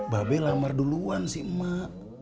babe lamar duluan sih emak